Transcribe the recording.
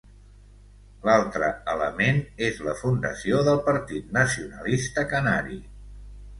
L'altre element és la fundació del Partit Nacionalista Canari.